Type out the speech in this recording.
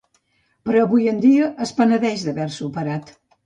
Però avui en dia es penedeix d'haver-se operat.